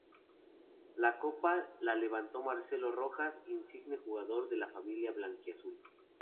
La Copa la levantó Marcelo Rojas, insigne jugador de la familia blanquiazul.